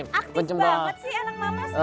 aktif banget sih anak mama sekarang